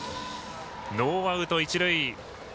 ノーアウト、一塁。